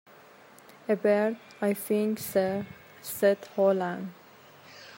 "A bird, I think, sir," said Holland.